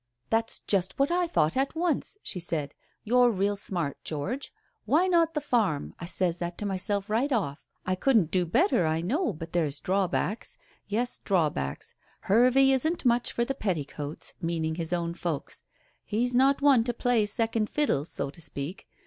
"That's just what I thought at once," she said. "You're real smart, George; why not the farm? I says that to myself right off. I couldn't do better, I know, but there's drawbacks. Yes, drawbacks. Hervey isn't much for the petticoats meaning his own folks. He's not one to play second fiddle, so to speak.